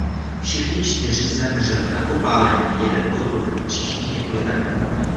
Všichni čtyři zemřeli na popáleniny jeden po druhém v příštích několika dnech.